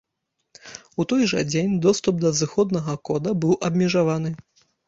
У той жа дзень, доступ да зыходнага кода быў абмежаваны.